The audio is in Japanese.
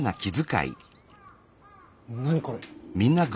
何これ。